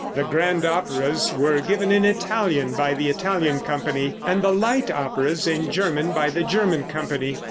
The grand operas were given in Italian by the Italian company, and the light operas in German by the German company.